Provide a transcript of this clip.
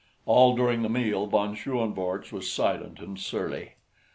All during the meal von Schoenvorts was silent and surly.